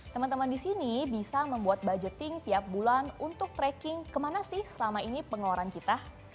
teman teman di sini bisa membuat budgeting tiap bulan untuk tracking kemana sih selama ini pengeluaran kita